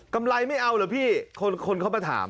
กำไรไม่เอาหรือพี่คนเข้ามาถาม